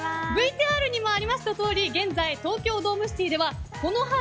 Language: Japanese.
ＶＴＲにもありましたとおり現在、東京ドームシティでは「この春、